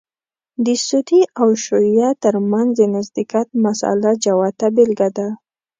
د سني او شعیه تر منځ د نزدېکت مسأله جوته بېلګه ده.